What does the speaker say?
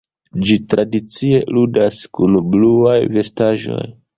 Ĝi tradicie ludas kun bluaj vestaĵoj.